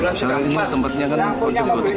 misalnya ini tempatnya kan konceng gotik